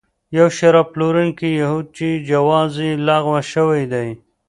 یو شراب پلورونکی یهود چې جواز یې لغوه شوی دی.